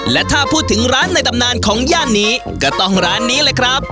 และถ้าพูดถึงร้านในตำนานของย่านนี้ก็ต้องร้านนี้เลยครับ